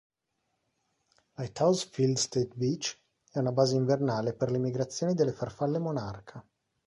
Lighthouse Field State Beach è una base invernale per le migrazioni della farfalle monarca.